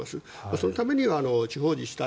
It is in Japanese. そのためには地方自治体